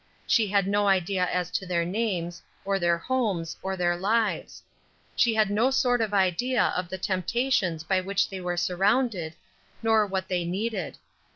She had no idea as to their names, or their homes, or their lives. She had no sort of idea of the temptations by which they were surrounded, nor what they needed.